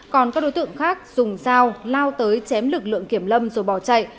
còn các đối tượng khác dùng dao lao tới chém lực lượng kiểm lâm rồi bỏ chạy